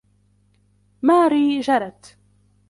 ماري جرت.